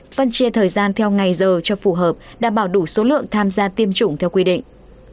phân chia thời gian theo ngày giờ cho phù hợp đảm bảo đủ số lượng tham gia tiêm chủng theo quy định